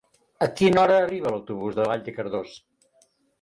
A quina hora arriba l'autobús de Vall de Cardós?